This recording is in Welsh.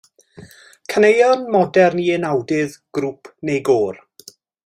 Caneuon modern i unawdydd, grŵp neu gôr.